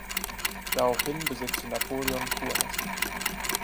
Daraufhin besetzte Napoleon Kurhessen.